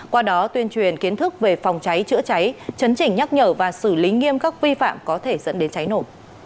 qua đó tuyên truyền kiến thức về phòng cháy chữa cháy chấn chỉnh nhắc nhở và xử lý nghiêm các vi phạm có thể dẫn đến cháy nổ